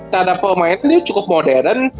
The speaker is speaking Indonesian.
seada pemainnya cukup modern